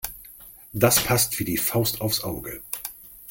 Das passt wie die Faust aufs Auge.